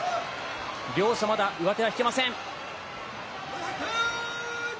両者、まだ上手は引けません。